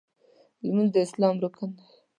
لمونځ د اسلام رکن دی.